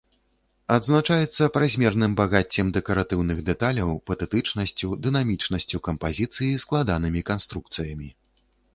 Адзначаецца празмерным багаццем дэкаратыўных дэталяў, патэтычнасцю, дынамічнасцю кампазіцыі, складанымі канструкцыямі.